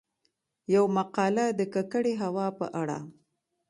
يومـقاله د کـکړې هـوا په اړه :